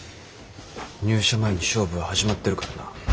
入社前に勝負は始まってるからな。